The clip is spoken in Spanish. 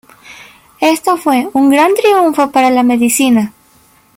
Esto fue un gran triunfo para la medicina.